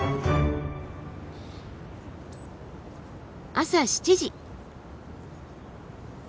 朝７時。